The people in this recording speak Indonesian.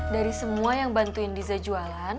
dari semua yang bantuin diza jualan